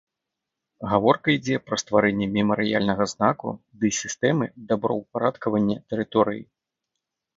Гаворка ідзе пра стварэнне мемарыяльнага знаку ды сістэмы добраўпарадкавання тэрыторыі.